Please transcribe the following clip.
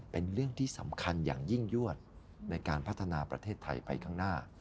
เป็นเรื่องที่สำคัญอย่างยิ่งยวดในการพัฒนาประเทศไทยไปข้างหน้า